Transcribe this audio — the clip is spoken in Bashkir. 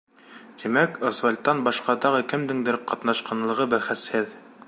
Тимәк, Освальдтан башҡа тағы кемдеңдер ҡатнашҡанлығы бәхәсһеҙ.